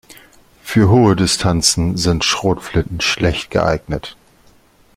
Für hohe Distanzen sind Schrotflinten schlecht geeignet.